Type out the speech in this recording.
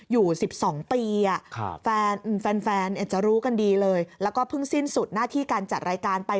อยู่๑๒ปีแฟนจะรู้กันดีเลยแล้วก็เพิ่งสิ้นสุดหน้าที่การจัดรายการไป